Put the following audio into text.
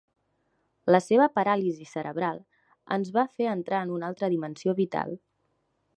La seva paràlisi cerebral ens va fer entrar en una altra dimensió vital.